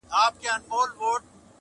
نه خيام سته د توبو د ماتولو-